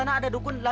nah sadar sekali